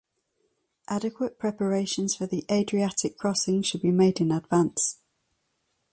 Adequate preparations for the Adriatic crossing should be made in advance.